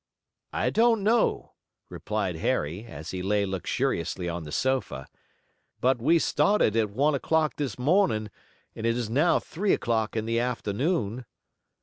"I don't know," replied Harry, as he lay luxuriously on the sofa, "but we started at one o'clock this morning and it is now three o'clock in the afternoon."